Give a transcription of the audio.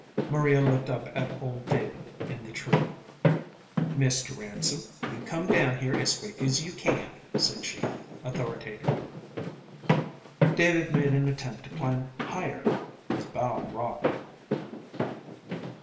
Maria looked up at old David in the tree. "Mr. Ransom, you come down here as quick as you can," said she, authoritatively. David made an attempt to climb higher. His bough rocked.